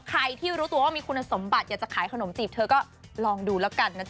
ใครที่รู้ตัวว่ามีคุณสมบัติอยากจะขายขนมจีบเธอก็ลองดูแล้วกันนะจ